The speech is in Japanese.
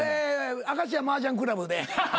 明石家マージャンクラブで。